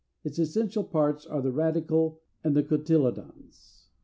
Its essential parts are the Radicle and the Cotyledons.